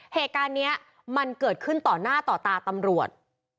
เหตุการณ์นี้มันเกิดขึ้นต่อหน้าต่อตาตำรวจ